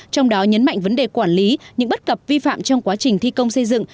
trong đó nhấn mạnh vấn đề quản lý những bất cập vi phạm trong quá trình thi công xây dựng